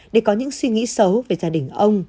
để có những suy nghĩ xấu về gia đình ông